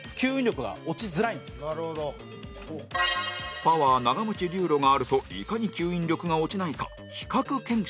パワー長もち流路があるといかに吸引力が落ちないか比較検証